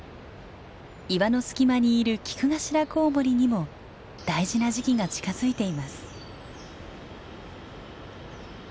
岩の隙間にいるキクガシラコウモリにも大事な時期が近づいています。